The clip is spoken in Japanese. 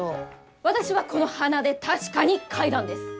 私はこの鼻で確かに嗅いだんです！